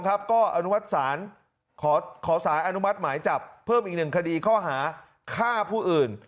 ก็ขอสายอนุมัติหมายจับเพิ่มอีกหนึ่งคดีข้อหาฆ่าผู้อื่น